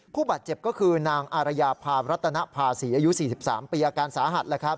ผู้บาดเจ็บก็คือนางอารยาพารัตนภาษีอายุ๔๓ปีอาการสาหัส